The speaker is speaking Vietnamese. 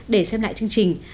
để xem lại chương trình